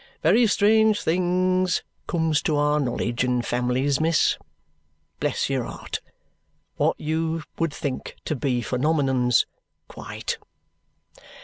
Very strange things comes to our knowledge in families, miss; bless your heart, what you would think to be phenomenons, quite."